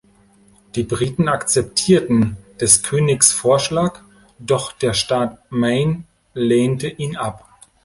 Die Briten akzeptierten des Königs Vorschlag, doch der Staat Maine lehnte ihn ab.